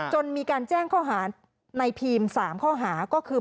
จนมีการแจ้งข้อหาในพีม๓ข้อหาก็คือ